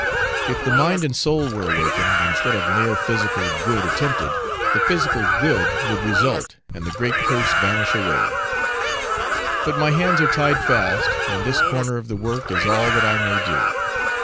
If the mind and soul were awakened, instead of mere physical good attempted, the physical good would result, and the great curse vanish away; but my hands are tied fast, and this corner of the work is all that I may do.